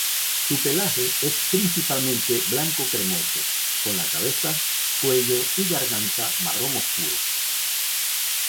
Su pelaje es principalmente blanco cremoso, con la cabeza, cuello y garganta marrón oscuro.